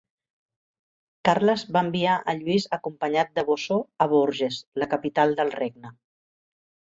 Carles va enviar a Lluís acompanyat de Bosó a Bourges, la capital del regne.